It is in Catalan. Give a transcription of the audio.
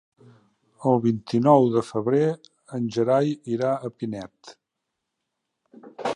El vint-i-nou de febrer en Gerai irà a Pinet.